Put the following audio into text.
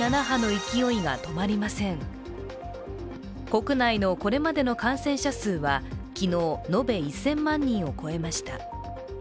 国内のこれまでの感染者数は昨日延べ１０００万人を超えました。